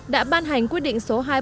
đã ban hành quy định lãi suất cho vai